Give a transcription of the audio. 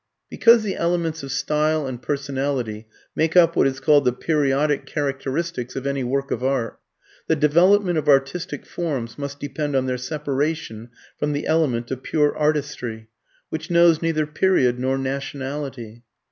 Because the elements of style and personality make up what is called the periodic characteristics of any work of art, the "development" of artistic forms must depend on their separation from the element of pure artistry, which knows neither period nor nationality.